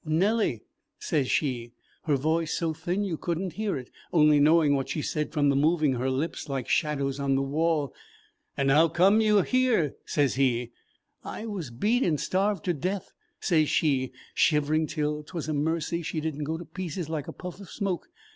'Nellie,' sez she, her voice so thin you could n't hear it, only knowing what she said from the moving of her lips like shadows on the wall. 'And how came you here?' sez he. 'I was beat and starved to death,' sez she, shivering till 't was a mercy she did n't go to pieces like a puff of smoke.